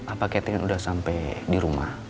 apa catin udah sampai di rumah